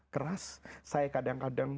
keras saya kadang kadang